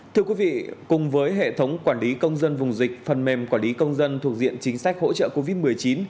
thưa quý vị cùng với hệ thống quản lý công dân vùng dịch phần mềm quản lý công dân thuộc diện chính sách hỗ trợ covid một mươi chín